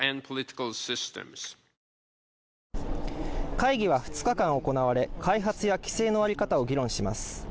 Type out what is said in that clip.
会議は２日間行われ、開発や規制のあり方を議論します。